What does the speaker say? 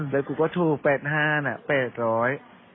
และครูถูก๘๕นี่๘๐๐